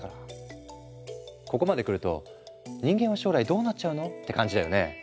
ここまでくると人間は将来どうなっちゃうの？って感じだよね？